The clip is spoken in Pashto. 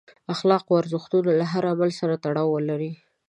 اخلاقي ارزښتونه له هر عمل سره تړاو ولري.